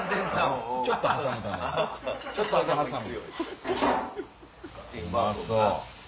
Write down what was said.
うまそう。